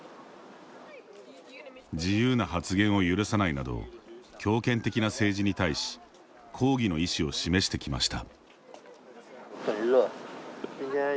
自由な発言を許さないなど強権的な政治に対し抗議の意思を示してきました。